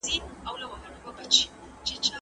هلک بايد خپلي ميرمني ته په دې اړه درواغ ونه وايي.